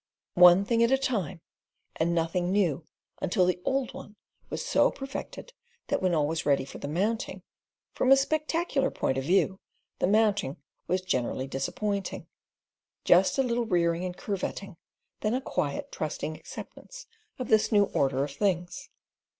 One thing at a time and nothing new until the old was so perfected that when all was ready for the mounting from a spectacular point of view the mounting was generally disappointing. Just a little rearing and curvetting, then a quiet, trusting acceptance of this new order of things.